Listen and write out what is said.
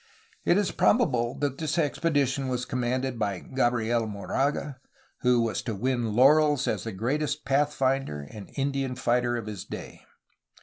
It is probable that this expedition was commanded by Gabriel Moraga, who was to win laurels as the greatest pathfinder and Indian fighter of his day.